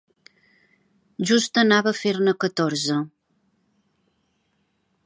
Just anava a fer-ne catorze.